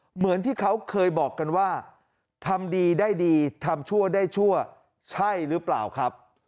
เหมือนที่เขาเคยบอกกันว่าทำดีได้ดีทำชั่วได้ชั่วใช่หรือเปล่าครับ